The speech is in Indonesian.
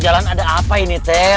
jalan ada apa ini teh